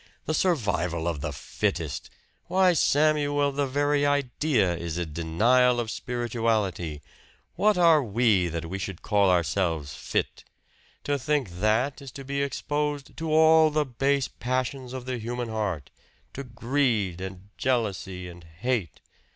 The survival of the fittest! Why, Samuel, the very idea is a denial of spirituality what are we that we should call ourselves fit? To think that is to be exposed to all the base passions of the human heart to greed and jealousy and hate!